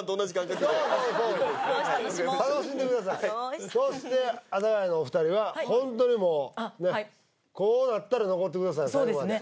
楽しもう楽しんでくださいそして阿佐ヶ谷のお二人はホントにもうこうなったらそうですね